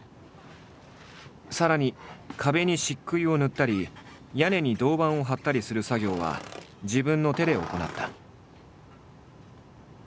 さらに壁に漆喰を塗ったり屋根に銅板を張ったりする作業は自分の手で行った。